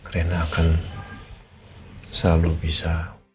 reena akan selalu bisa